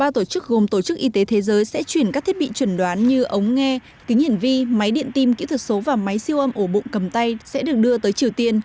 ba tổ chức gồm tổ chức y tế thế giới sẽ chuyển các thiết bị chuẩn đoán như ống nghe kính hiển vi máy điện tim kỹ thuật số và máy siêu âm ổ bụng cầm tay sẽ được đưa tới triều tiên